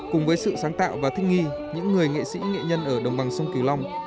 cùng với sự sáng tạo và thích nghi những người nghệ sĩ nghệ nhân ở đồng bằng sông kiều long